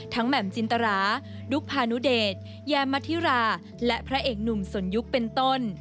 แหม่มจินตราดุ๊กพานุเดชแยมมัธิราและพระเอกหนุ่มสนยุคเป็นต้น